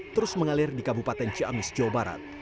terus mengalir di kabupaten ciamis jawa barat